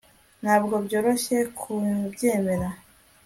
ntabwo byoroshye kubyemera